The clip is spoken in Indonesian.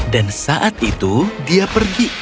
dan saat itu dia pergi